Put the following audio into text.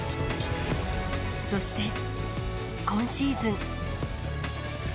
そして、今シーズン。